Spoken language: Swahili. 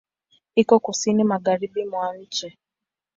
Iko Kusini magharibi mwa nchi.